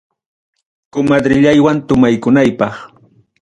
Comadrellaywan tomaykunaypaq.